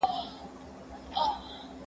پلار خپل زوی ته نوې کیسه کوي.